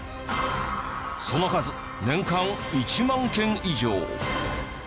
その数年間１万件以上。